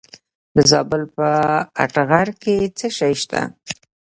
د زابل په اتغر کې څه شی شته؟